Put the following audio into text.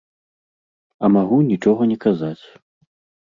А магу нічога не казаць.